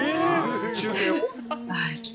中継を？